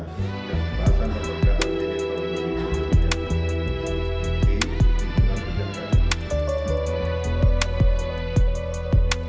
abb di tahun anggaran